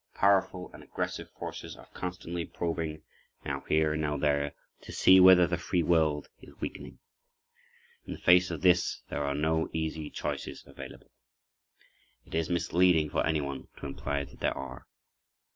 Powerful and aggressive forces are constantly probing, now here, now there, to see whether the free world is weakening. In the face of this there are no easy choices available. It is misleading for anyone to imply that there are.